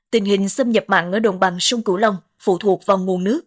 tình hình xâm nhập mặn ở đồng bằng sông cửu long phụ thuộc vào nguồn nước